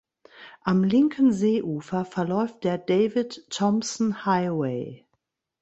Am linken Seeufer verläuft der David Thompson Highway.